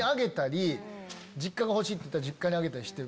実家が欲しいって言ったら実家にあげたりして。